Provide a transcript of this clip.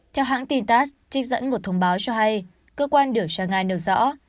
theo hãng tin tass trích dẫn một thông báo cho hay cơ quan điều tra nga nêu rõ